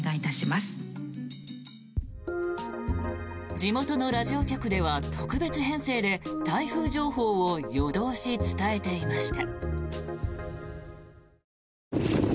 地元のラジオ局では特別編成で台風情報を夜通し伝えていました。